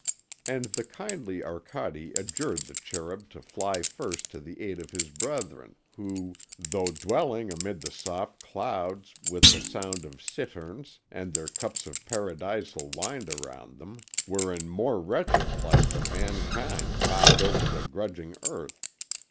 And the kindly Arcade adjured the Cherub to fly first to the aid of his brethren who, though dwelling amid the soft clouds with the sound of citterns and their cups of paradisal wine around them, were in more wretched plight than mankind bowed over the grudging earth.